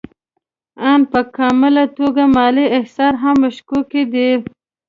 آن په کامله توګه مالي احصایې هم مشکوکې دي